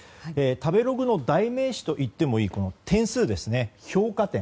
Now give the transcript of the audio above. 食べログの代名詞といってもいいこの点数ですね評価点。